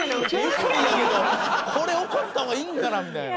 愉快やけどこれ怒った方がいいんかなみたいな。